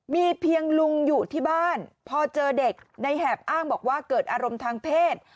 มีเพียงลุงอยู่ที่บ้านพอเจอเด็กในแหบอ้างบอกว่าเกิดอารมณ์ทางเพศ